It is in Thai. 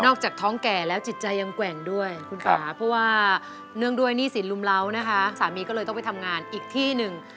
จากท้องแก่แล้วจิตใจยังแกว่งด้วยคุณป่าเพราะว่าเนื่องด้วยหนี้สินลุมเล้านะคะสามีก็เลยต้องไปทำงานอีกที่หนึ่ง